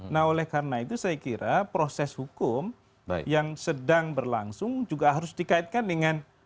nah oleh karena itu saya kira proses hukum yang sedang berlangsung juga harus dikaitkan dengan